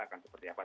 akan seperti apa